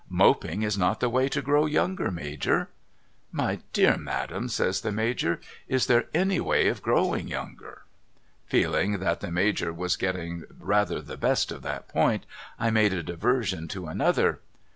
' Moping is not the way to grow younger Major,' ' My dear Madam,' says the Major, ' is there any way of growing younger ?' Feeling that the Major was getting rather the best of that point I made a diversion to another.